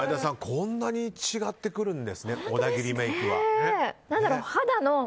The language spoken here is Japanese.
こんなに違ってくるんですね小田切メイクは。